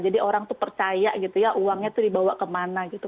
jadi orang itu percaya gitu ya uangnya itu dibawa kemana gitu